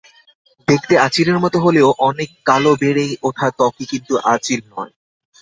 দেখতে আঁচিলের মতো হলেও অনেক কালো বেড়ে ওঠা ত্বকই কিন্তু আঁচিল নয়।